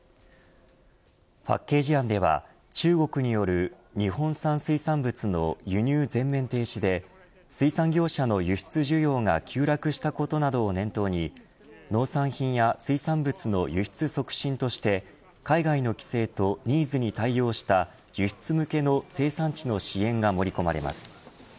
パッケージ案では中国による日本産水産物の輸入全面停止で水産業者の輸出需要が急落したことなどを念頭に農産品や水産物の輸出促進として海外の規制とニーズに対応した輸出向けの生産地の支援が盛り込まれます。